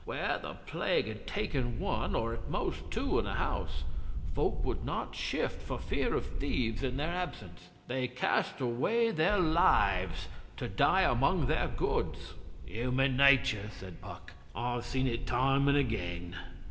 Where the plague had taken one, or at most two, in a house, folk would not shift for fear of thieves in their absence. They cast away their lives to die among their goods.' 'Human nature,' said Puck. 'I've seen it time and again.